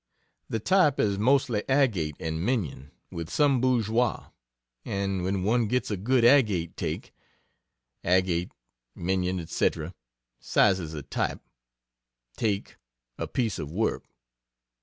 The type is mostly agate and minion, with some bourgeois; and when one gets a good agate take, ["Agate," "minion," etc., sizes of type; "take," a piece of work.